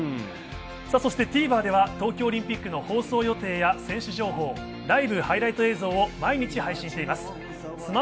ＴＶｅｒでは東京オリンピックの放送予定や選手情報、ライブ、ハイライト映像を毎日配信しています。